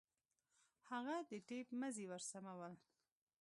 هغه د ټېپ مزي ورسمول.